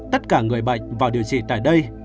tất cả người bệnh vào điều trị tại đây